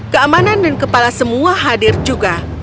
keamanan dan kepala semua hadir juga